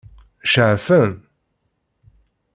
Ceɛfen?